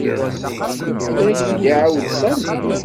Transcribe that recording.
Ad ak-d-iɛawed Sami.